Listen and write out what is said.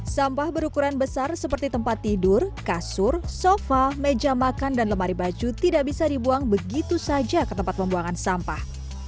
sampah berukuran besar seperti tempat tidur kasur sofa meja makan dan lemari baju tidak bisa dibuang begitu saja ke tempat pembuangan sampah